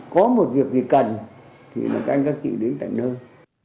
có một việc gì cần thì là các anh các chị đến tận nơi